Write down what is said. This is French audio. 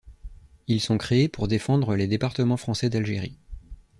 Ils sont créés pour défendre les départements français d'Algérie.